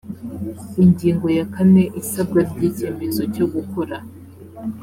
ingingo ya kane isabwa ry icyemezo cyo gukora